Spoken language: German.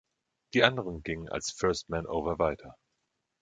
Die anderen gingen als First Man Over weiter.